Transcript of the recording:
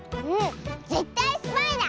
ぜったいスパイだ！